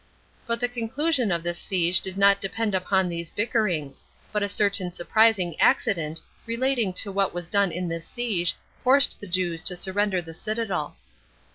But the conclusion of this siege did not depend upon these bickerings; but a certain surprising accident, relating to what was done in this siege, forced the Jews to surrender the citadel.